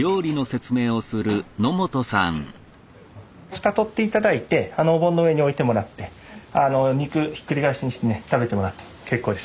蓋取って頂いてあのお盆の上に置いてもらって肉ひっくり返しにしてね食べてもらって結構です。